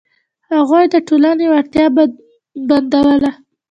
هغوی د ټولنې وړتیا بندوله.